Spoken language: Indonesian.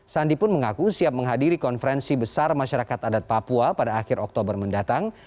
sandi pun mengaku siap menghadiri konferensi besar masyarakat adat papua pada akhir oktober mendatang